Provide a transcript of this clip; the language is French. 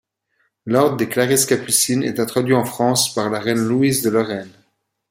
L'ordre des Clarisses capucines est introduit en France par la reine Louise de Lorraine.